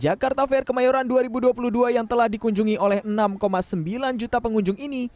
jakarta fair kemayoran dua ribu dua puluh dua yang telah dikunjungi oleh enam sembilan juta pengunjung ini